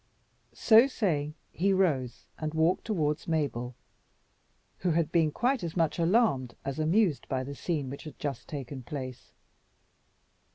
So saying, he rose, and walked towards Mabel, who had been quite as much alarmed as amused by the scene which had just taken place.